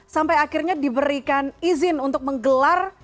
sampai akhirnya diberikan izin untuk menggelar